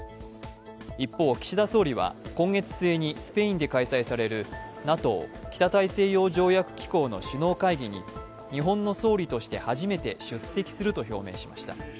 一方、岸田総理は今月末にスペインで開催されるＮＡＴＯ＝北大西洋条約機構の首脳会議に日本の総理として初めて出席すると表明しました。